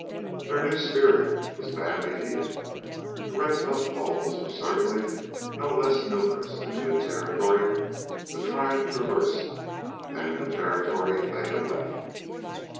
Their new spirit was badly needed. The red puffballs were certainly no less numerous in the new territory the tribe traversed than in the territory they had left.